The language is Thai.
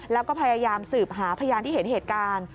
แล้วก็พยายามสืบหาพยานที่เห็นเหตุการณ์